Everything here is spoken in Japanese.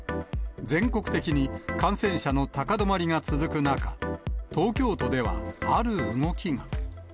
全国的に感染者の高止まりが続く中、東京都では、ある動きが。